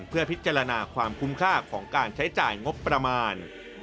เพื่อพิจารณาความคุ้มค่าของการใช้จ่ายงบประมาณ